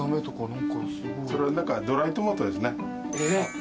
それはドライトマトですね。